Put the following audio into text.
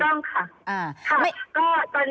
ถูกต้องค่ะ